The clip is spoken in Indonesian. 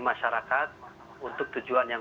masyarakat untuk tujuan yang